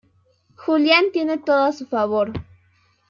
Julián tiene todo a su favor.